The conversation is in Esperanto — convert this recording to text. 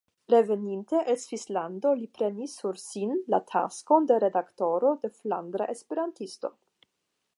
Reveninte el Svislando li prenis sur sin la taskon de redaktoro de "Flandra Esperantisto".